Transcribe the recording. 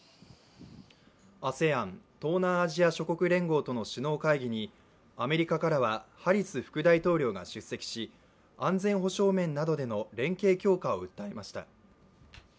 ＡＳＥＡＮ＝東南アジア諸国連合との首脳会議にアメリカからはハリス副大統領が出席し安全保障面などでの連携強化を訴えました。